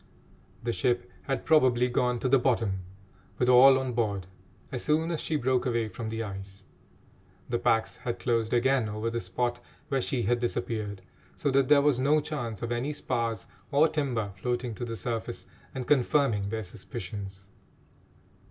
The ship had probably gone to the bottom, with all on board, as soon as she broke away from the ice. The packs had closed again over the spot where she had disappeared, so that there was no chance of any spars or timber floating to the surface and confirming their suspicions.